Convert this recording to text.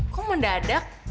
kok mau dadak